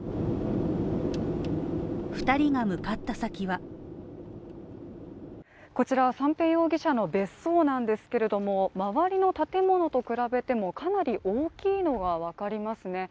２人が向かった先はこちらは三瓶容疑者の別荘なんですけれども、周りの建物と比べてもかなり大きいのがわかりますね。